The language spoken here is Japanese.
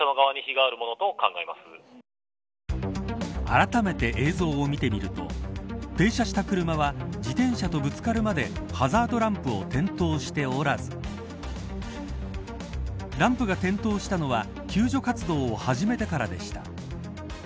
あらためて映像を見てみると停車した車は自転車とぶつかるまでハザードランプを点灯しておらずランプが点灯したのは救助活動を始めてからでした。